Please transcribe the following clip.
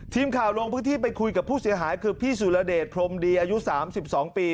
ทีมข่าวลงพื้นที่ไปคุยกับผู้เสียหายคือพี่สุรเดชพรมดีอายุ๓๒ปี